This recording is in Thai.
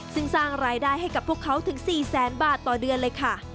ซึ่งสร้างรายได้ให้กับพวกเขาถึง๔แสนบาทต่อเดือนเลยค่ะ